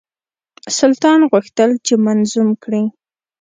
سلطان غوښتل چې منظوم کړي.